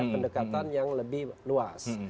pendekatan yang lebih luas